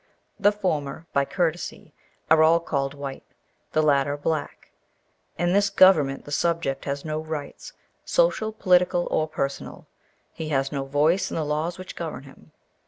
The former, by courtesy, are all called white, the latter black. In this government the subject has no rights, social, political, or personal. He has no voice in the laws which govern him.